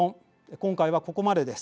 今回はここまでです。